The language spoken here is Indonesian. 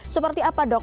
seperti apa dok